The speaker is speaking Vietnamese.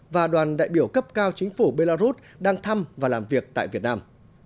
và đoàn đại biểu cấp cao chính phủ belarus đang thăm và làm việc tại việt nam